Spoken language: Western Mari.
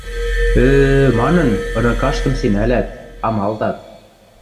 ӧ-ӧ-ӧ манын, ыныкаштым семӓлӓт, амалтат.